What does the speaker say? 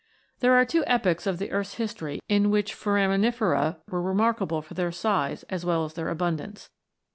There are two epochs of the earth's history in which foraminifera were remarkable for their size as well as their abundance.